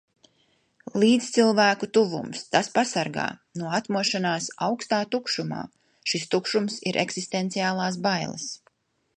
Līdzcilvēku tuvums. Tas pasargā. No atmošanās aukstā tukšumā. Šis tukšums ir eksistenciālās bailes...